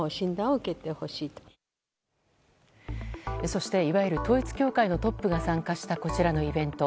そして、いわゆる統一教会のトップが参加したこちらのイベント。